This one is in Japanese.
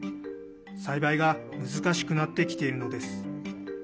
栽培が難しくなってきているのです。